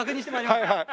はいはい。